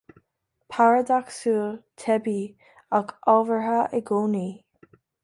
Paradacsúil, teibí, ach ábhartha i gcónaí